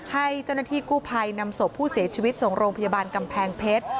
ให้เจ้าหน้าที่กู้ภัยนำศพผู้เสียชีวิตส่งโรงพยาบาลกำแพงเพชร